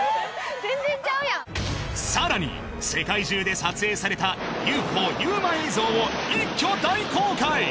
全然ちゃうやんさらに世界中で撮影されたＵＦＯＵＭＡ映像を一挙大公開！